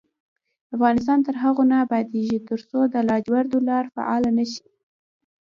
افغانستان تر هغو نه ابادیږي، ترڅو د لاجوردو لار فعاله نشي.